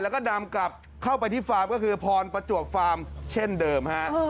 แล้วก็นำกลับเข้าไปที่ฟาร์มก็คือพรประจวบฟาร์มเช่นเดิมฮะ